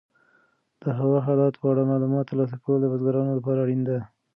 د هوا د حالاتو په اړه معلومات ترلاسه کول د بزګرانو لپاره اړین دي.